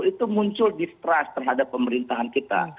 itu muncul distrust terhadap pemerintahan kita